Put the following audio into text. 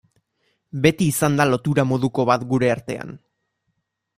Beti izan da lotura moduko bat gure artean.